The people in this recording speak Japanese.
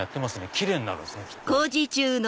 キレイになるんですねきっと。